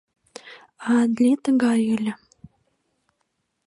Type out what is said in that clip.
Аадли тыгай ыле.